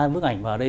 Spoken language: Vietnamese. ba bức ảnh vào đây